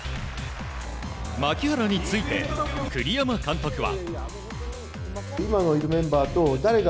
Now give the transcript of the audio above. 牧原について、栗山監督は。